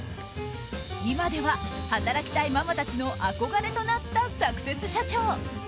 今では働きたいママたちの憧れとなった、サクセス社長。